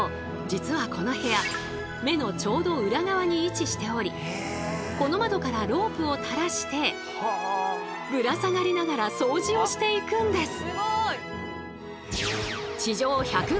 実はこの部屋目のちょうど裏側に位置しておりこの窓からロープを垂らしてぶら下がりながら掃除をしていくんです。